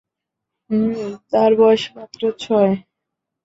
হুমমম - তার বয়স মাত্র ছয়।